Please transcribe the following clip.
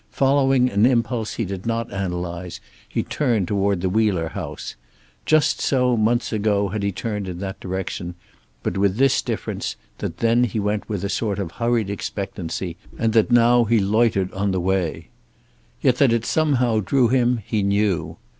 Following an impulse he did not analyze he turned toward the Wheeler house. Just so months ago had he turned in that direction, but with this difference, that then he went with a sort of hurried expectancy, and that now he loitered on the way. Yet that it somehow drew him he knew.